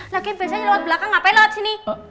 lagi biasanya lewat belakang ngapain lewat sini